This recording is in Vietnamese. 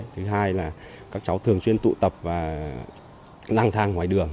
thứ hai là các cháu thường chuyên tụ tập và năng thang ngoài đường